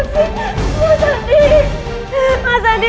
masa buas sih masa di